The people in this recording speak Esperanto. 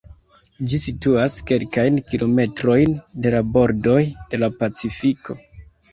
Ĝi situas kelkajn kilometrojn de la bordoj de la Pacifiko.